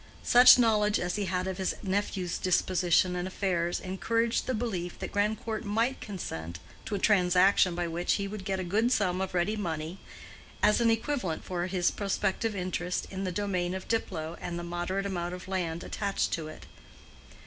Such knowledge as he had of his nephew's disposition and affairs encouraged the belief that Grandcourt might consent to a transaction by which he would get a good sum of ready money, as an equivalent for his prospective interest in the domain of Diplow and the moderate amount of land attached to it.